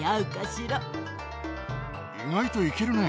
意外といけるね。